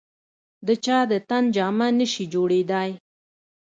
د چا د تن جامه نه شي جوړېدای.